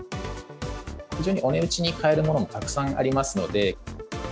非常にお値打ちに買えるものもたくさんありますので。